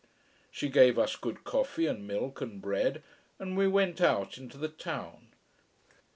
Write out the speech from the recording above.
She gave us good coffee and milk and bread, and we went out into the town.